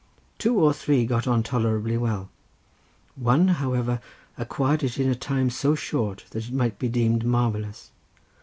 Two or three got on tolerably well. One however acquired it in a time so short that it might be deemed marvellous.